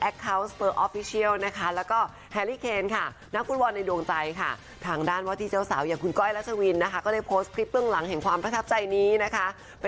แล้วก็คุณวรในดวงใจค่ะทางด้านวาทิเจ้าสาวอย่างคุณก้อยรัชวินนะคะก็ได้โพสต์คลิปเรื่องหลังของความประทับใจนี้นะคะ